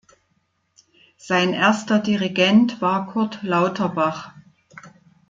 Sein erster Dirigent war Kurt Lauterbach.